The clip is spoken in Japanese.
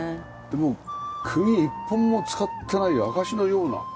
でもくぎ一本も使ってない証しのような。